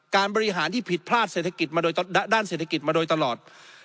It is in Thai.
การบริหารที่ผิดพลาดด้านเศรษฐกิจมาโดยตลอด